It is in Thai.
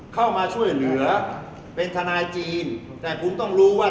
เข้ามาช่วยเหลือเป็นทนายจีนแต่คุณต้องรู้ว่า